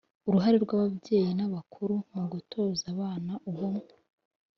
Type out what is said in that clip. Uruhare rw’ ababyeyi n’ abakuru mu gutoza abana ubumwe